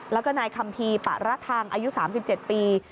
แล้วก็นายคัมพีประรัชทางอายุ๓๗ปี